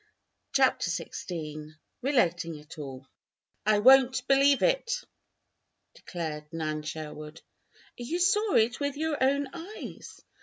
CHAPTER XVI RELATING IT ALL "I won't believe it!" declared Nan Sherwood. "You saw it with your own eyes!"